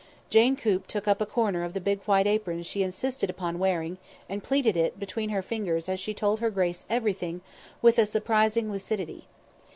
Jane Coop took up a corner of the big white apron she insisted upon wearing, and pleated it between her fingers as she told her grace everything with a surprising lucidity.